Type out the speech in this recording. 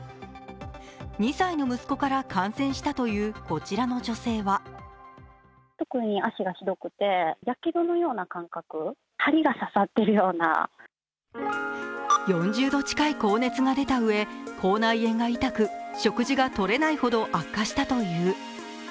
２歳の息子から感染したというこちらの女性は４０度近い高熱が出たうえ、口内炎が痛く食事がとれないほど悪化したという。